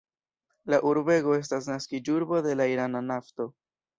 La urbego estas naskiĝurbo de la irana nafto.